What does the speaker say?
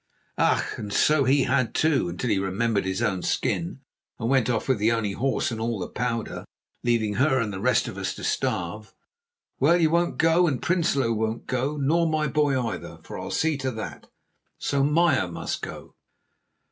"Ach! and so had he, too, until he remembered his own skin, and went off with the only horse and all the powder, leaving her and the rest of us to starve. Well, you won't go, and Prinsloo won't go, nor my boy either, for I'll see to that; so Meyer must go."